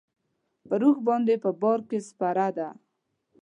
پر اوښ باندې په بار کې سپره ده.